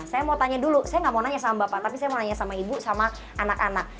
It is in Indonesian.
saya mau tanya dulu saya nggak mau nanya sama bapak tapi saya mau nanya sama ibu sama anak anak